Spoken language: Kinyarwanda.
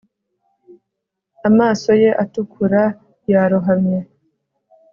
amaso ye atukura yarohamye